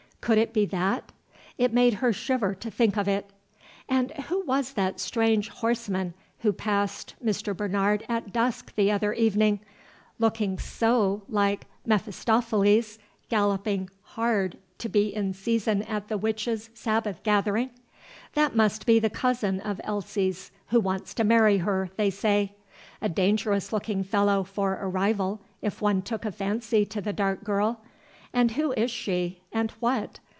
Could it be that ? It made her shiver to think of it. And who was that strange horseman who passed Mr. Bernard at dusk the other evening, looking so like Mephistopheles galloping hard to be in season at the witches' Sabbath gathering? That must be the cousin of Elsie's who wants to marry her, they say. A dangerous looking fellow for a rival, if one took a fancy to the dark girl! And who is she, and what?